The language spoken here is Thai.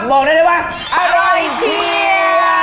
บอกได้ได้ไหมอร่อยเชียบ